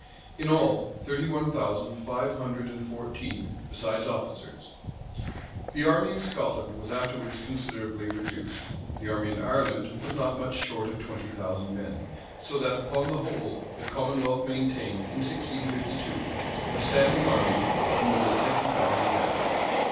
In all, thirty one thousand five hundred and fourteen, besides officers.[] The army in Scotland was afterwards considerably reduced. The army in Ireland was not much short of twenty thousand men; so that, upon the whole, the commonwealth maintained, in 1652, a standing army of more than fifty thousand men.